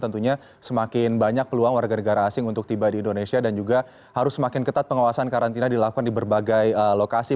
tentunya semakin banyak peluang warga negara asing untuk tiba di indonesia dan juga harus semakin ketat pengawasan karantina dilakukan di berbagai lokasi